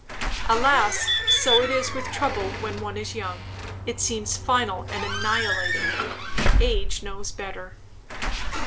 Alas, so it is with trouble when one is young; it seems final and annihilating. Age knows better.